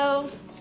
あ。